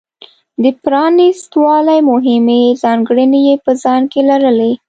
د پرانېست والي مهمې ځانګړنې یې په ځان کې لرلې.